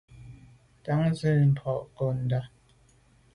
Ntan ntshètndà boa nko’ndà.